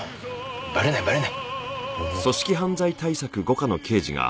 バレないバレない。